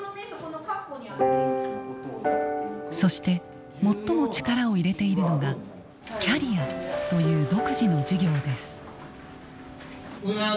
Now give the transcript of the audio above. そして最も力を入れているのが「キャリア」という独自の授業です。